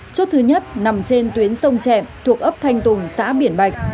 chốt thứ nhất nằm trên tuyến sông trẹm thuộc ấp thanh tùng xã biển bạch